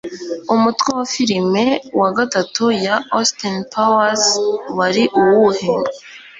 Umutwe wa Filime wa gatatu ya Austin Powers wari uwuhe?